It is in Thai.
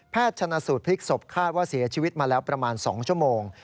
ชนะสูตรพลิกศพคาดว่าเสียชีวิตมาแล้วประมาณ๒ชั่วโมง